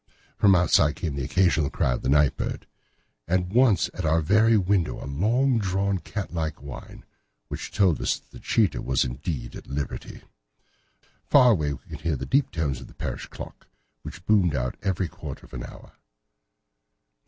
From outside came the occasional cry of a night bird, and once at our very window a long drawn catlike whine, which told us that the cheetah was indeed at liberty. Far away we could hear the deep tones of the parish clock, which boomed out every quarter of an hour.